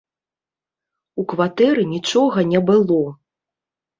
У кватэры нічога не было.